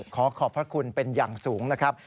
ขอขอบพระคุณเป็นอย่างสูงนะครับ